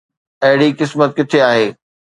اهڙي قسمت ڪٿي آهي؟